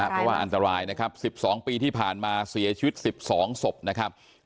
เพราะว่าอันตรายนะครับ๑๒ปีที่ผ่านมาเสียชีวิต๑๒ศพนะครับ